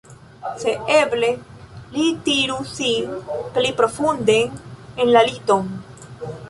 Se eble, li tirus sin pli profunden en la liton.